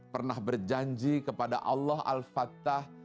pernah berjanji kepada allah al fatah